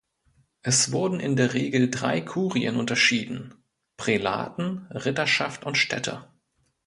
Es wurden in der Regel drei Kurien unterschieden: Prälaten, Ritterschaft und Städte.